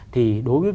thì đối với